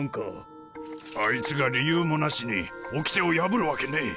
あいつが理由もなしにおきてを破るわけねえ。